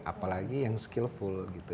apalagi yang skillful gitu